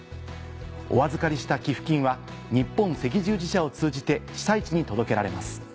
お預かりした寄付金は日本赤十字社を通じて被災地に届けられます。